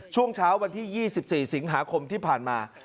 ช่วงเช้าวันที่๒๔สิงหาคมที่ผ่านมา